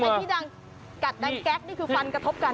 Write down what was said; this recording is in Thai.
ที่ดังกัดดังแก๊กนี่คือฟันกระทบกัน